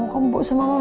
kamu bu sama mama